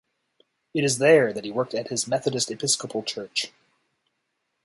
It is there that he worked at his Methodist Episcopal Church.